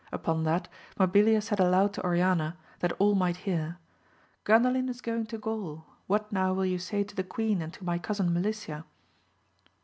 Upon that Mabilia said aloud to Oriana, that all might hear, Gandalin is going to Gaul, what now will you say to the queen and to my cousin Melicia?